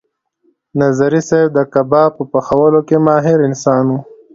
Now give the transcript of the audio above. نظري صیب د کباب په پخولو کې ماهر انسان و.